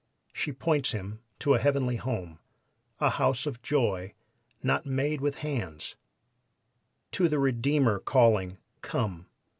She points him to a heavenly home, A house of joy not made with hands To the Redeemer calling, "Come!"